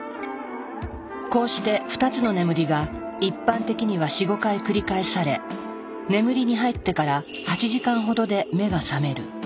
こうして２つの眠りが一般的には４５回繰り返され眠りに入ってから８時間ほどで目が覚める。